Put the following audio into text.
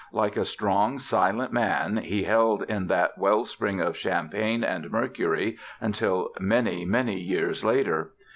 Like a Strong Silent Man he held in that wellspring of champagne and mercury until many many years later.